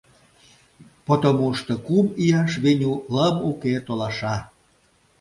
Потомушто кум ияш Веню лым уке — толаша: